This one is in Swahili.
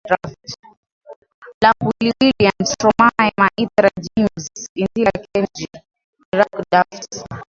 Black Willy William Stromae Maître Gims Indila Kendji Girac Daft